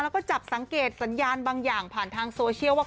แล้วก็จับสังเกตสัญญาณบางอย่างผ่านทางโซเชียลว่า